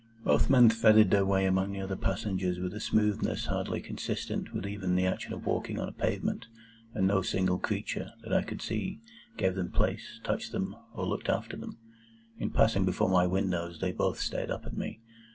Both men threaded their way among the other passengers with a smoothness hardly consistent even with the action of walking on a pavement; and no single creature, that I could see, gave them place, touched them, or looked after them. In passing before my windows, they both stared up at me.